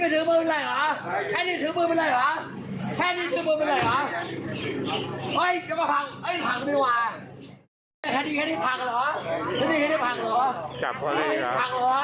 เห็นถ้าภักดีเหรอ